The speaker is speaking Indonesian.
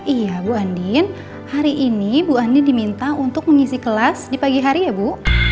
iya bu andin hari ini ibu andi diminta untuk mengisi kelas di pagi hari ya bu